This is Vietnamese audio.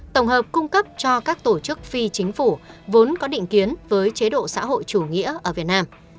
tổng hợp cung cấp cho các tổ chức phi chính phủ vốn có định kiến với chế độ xã hội chủ nghĩa ở việt nam